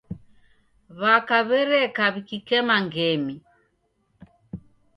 W'aka w'ereka w'ikikema ngemi.